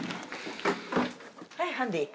はいハンディー。